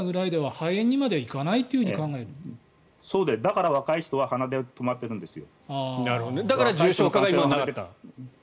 だから、若い人は鼻で止まっているんですよ。